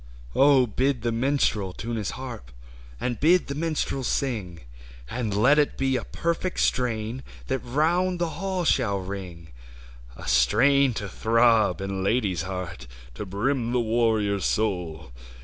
BID the minstrel tune his haxp, And bid the minstrel sing; And let it be a perfect strain That round the hall shall ring : A strain to throb in lad/s heart, To brim the warrior's soul.